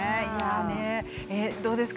どうですか？